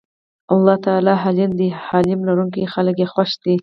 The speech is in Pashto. الله تعالی حليم دی حِلم لرونکي خلک ئي خوښ دي